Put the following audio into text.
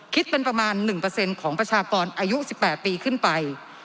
คิดเป็นประมาณ๑ของประชากรอายุ๑๘ปีขึ้นไป